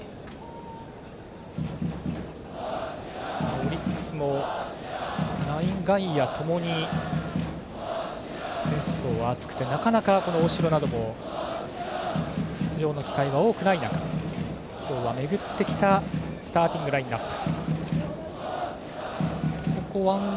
オリックスも内外野ともに選手層は厚くてなかなか大城などの出場の機会は多くない中今日は、めぐってきたスターティングラインナップ。